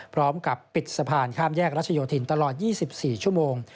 พร้อมกับปิดสะพานข้ามแยกรัชโยธินตลอด๒๔ชั่วโมง